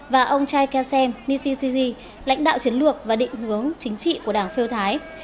và ông chai kha sem nisishizi lãnh đạo chiến lược và định hướng chính trị của đảng phiêu thái